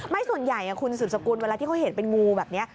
ส่วนใหญ่คุณสืบสกุลเวลาที่เขาเห็นเป็นงูแบบนี้